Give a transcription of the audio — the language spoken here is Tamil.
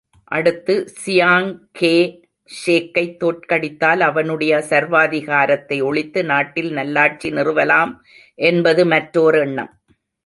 அடுத்து சியாங் கே ஷேக்கைத் தோற்கடித்தால் அவனுடைய சர்வாதிகாரத்தை ஒழித்து நாட்டில் நல்லாட்சி நிறுவலாம் என்பது மற்றோர் எண்ணம்.